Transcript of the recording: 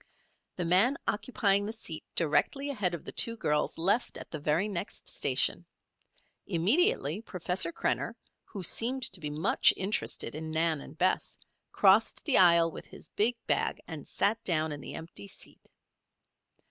The man occupying the seat directly ahead of the two girls left at the very next station. Immediately Professor Krenner, who seemed to be much interested in Nan and Bess, crossed the aisle with his bag and sat down in the empty seat.